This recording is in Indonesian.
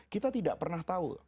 kita tidak pernah tahu